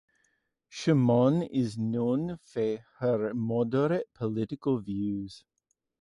Chamoun is known for her moderate political views.